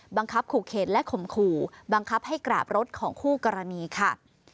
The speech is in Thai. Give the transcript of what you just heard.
ขู่เขตและข่มขู่บังคับให้กราบรถของคู่กรณีค่ะ